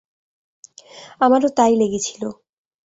আমারও তাই লেগেছিল।